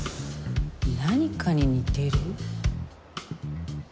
何かに似てる？